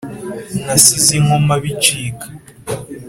nasize i nkoma bicika,